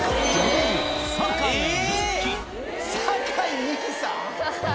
酒井美紀さん？